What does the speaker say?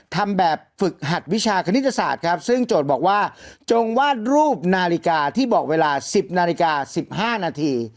ทำแบบฝึกหัดวิชาคณิตศาสตร์ครับซึ่งโจทย์บอกว่าจงวาดรูปนาฬิกาที่บอกเวลา๑๐นาฬิกา๑๕นาที